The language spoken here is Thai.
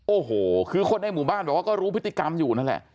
โอ้โหคือคนในหมู่บ้านบอกว่าก็รู้พฤติกรรมอยู่นั่นแหละ